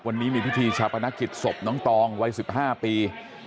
วันนี้มีพิธีชาปนกิจศพน้องตองวัย๑๕ปี